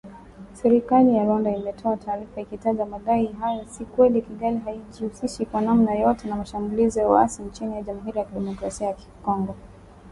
Serikali ya Rwanda, imetoa taarifa ikitaja madai hayo si ya kweli, Kigali haijihusishi kwa namna yoyote na mashambulizi ya waasi nchini Jamhuri ya Kidemokrasia ya Kongo.